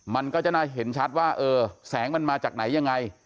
มันก็จะได้เห็นชัดว่าเออแสงมันมาจากไหนยังไง